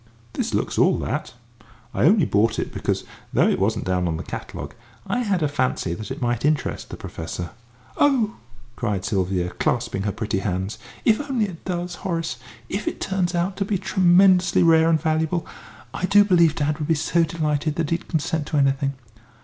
"This looks all that. I only bought it because, though it wasn't down on the catalogue, I had a fancy that it might interest the Professor." "Oh!" cried Sylvia, clasping her pretty hands, "if only it does, Horace! If it turns out to be tremendously rare and valuable! I do believe dad would be so delighted that he'd consent to anything.